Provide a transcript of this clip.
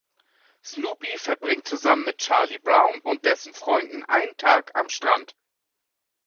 Snoopy verbringt zusammen mit Charlie Brown und dessen Freunden einen Tag am Strand.